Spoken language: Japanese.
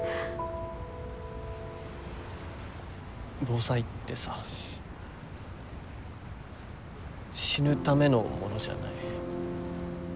防災ってさ死ぬためのものじゃない。